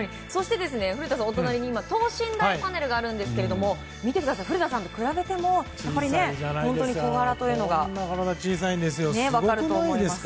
古田さん、お隣に等身大パネルがあるんですが古田さんと比べても小柄というのが分かると思います。